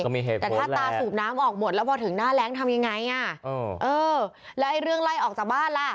แต่ถ้าตาสูบน้ำออกหมดแล้วพอถึงหน้าแรงทำยังไงอ่ะเออเออแล้วไอ้เรื่องไล่ออกจากบ้านล่ะ